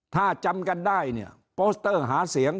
ถ้าจำกันได้เนี่ยโปสเตอร์หาเสียง